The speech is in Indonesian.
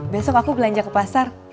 besok aku belanja ke pasar